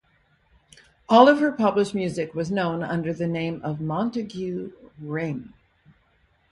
All of her published music was known under the name of Montague Ring.